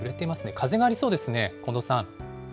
風がありそうですね、近藤さん。